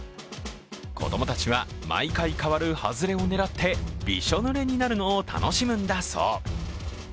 子供たちは毎回変わる外れを狙ってびしょぬれになるのを楽しむんだそう。